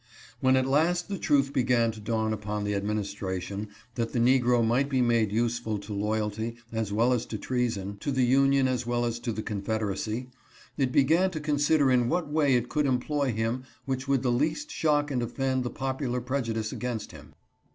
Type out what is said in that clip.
When at last the truth began to dawn upon the admin istration that the negro might be made useful to loyalty, THEY GOT LIGHT. 413 as well as to treason, to the Union as well as to the Con federacy, it began to consider in what way it could employ him which would the least shock and offend the popu lar prejudice against him.